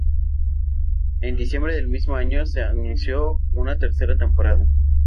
En diciembre del mismo año se anunció una tercera temporada.